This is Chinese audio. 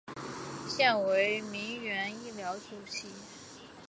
现为铭源医疗主席。